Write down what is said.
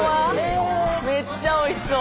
めっちゃおいしそう！